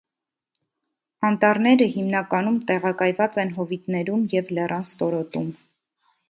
Անտառները հիմնականում տեղակայված են հովիտներում և լեռան ստորոտում։